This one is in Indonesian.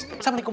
kita masuk yuk